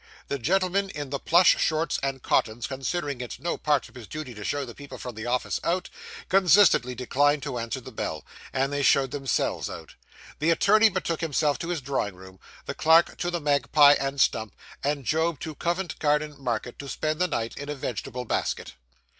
The gentleman in the plush shorts and cottons considering it no part of his duty to show the people from the office out, consistently declined to answer the bell, and they showed themselves out. The attorney betook himself to his drawing room, the clerk to the Magpie and Stump, and Job to Covent Garden Market to spend the night in a vegetable basket.